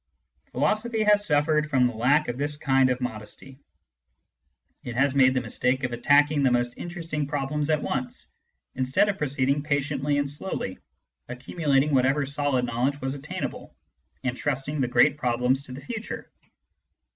Philosophy has suffered from the lack of this kind of modesty. It has made the mistake of attacking the interesting problems at once, instead of proceeding patiently and slowly, accumulating whatever solid knowledge was obtainable, and trusting the great problems to the future.